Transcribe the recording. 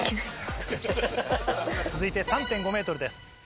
続いて３．５ｍです。